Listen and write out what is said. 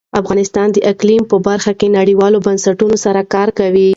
افغانستان د اقلیم په برخه کې نړیوالو بنسټونو سره کار کوي.